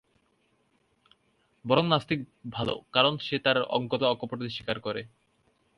বরং নাস্তিক ভাল, কারণ সে নিজের অজ্ঞতা অকপটে স্বীকার করে।